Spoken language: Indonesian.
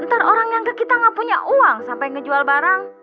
emang yang ke kita gak punya uang sampai ngejual barang